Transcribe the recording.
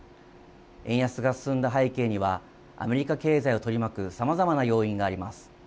円安が進んだ背景にはアメリカ経済を取り巻くさまざまな要因があります。